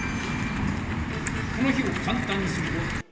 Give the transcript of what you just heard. この比をかんたんにすると？